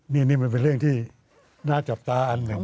นี่มันเป็นเรื่องที่น่าจับตาอันหนึ่ง